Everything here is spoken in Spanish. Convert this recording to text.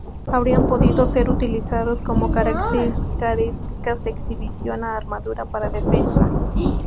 Habrían podido ser utilizados como características de exhibición, o armadura para defensa.